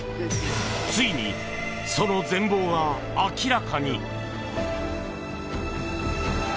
ついにその全ぼうが明らかに！